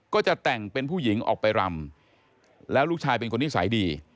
ก็จะแต่งเป็นผู้หญิงออกไปรำแล้วลูกชายเป็นคนนิสัยดี